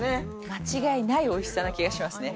間違いないおいしさな気がしますね。